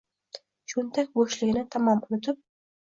Cho’ntak bo’shligini tamom unutib